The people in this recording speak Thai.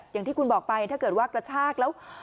อย่างที่คุณบอกไปถ้าเกิดว่ากระชากแล้ว